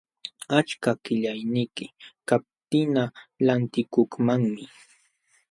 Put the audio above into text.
Achka qillayniyki kaptinqa lantikukmanmi.